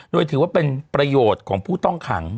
โดยถือว่าเป็นประโยชน์ของผู้ต้องขัง